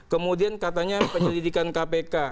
kemudian katanya penyelidikan kpk